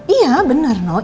iya benar noh